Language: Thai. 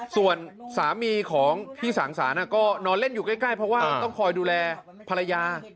ส่วนสามีของพี่สางศาลก็นอนเล่นอยู่ใกล้เพราะว่าต้องคอยดูแลภรรยา